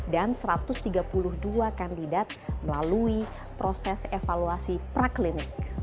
dan satu ratus tiga puluh dua kandidat melalui proses evaluasi praklinik